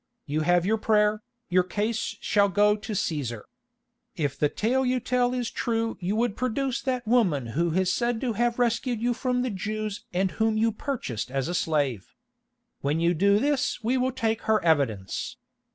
You have your prayer, your case shall go to Cæsar. If the tale you tell is true you would produce that woman who is said to have rescued you from the Jews and whom you purchased as a slave. When you do this we will take her evidence.